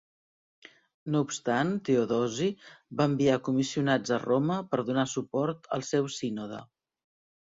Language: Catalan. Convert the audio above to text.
No obstant, Teodosi va enviar comissionats a Roma per donar suport al seu sínode.